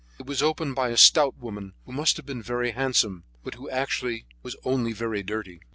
It was opened by a stout woman, who must have been very handsome, but who actually was only very dirty.